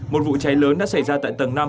một vụ cháy lớn đã xảy ra tại tầng năm